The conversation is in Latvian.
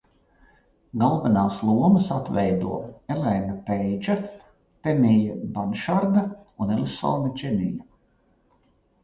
Galvenās lomas atveido Elena Peidža, Temija Banšarda un Elisone Dženija.